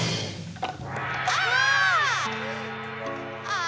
ああ。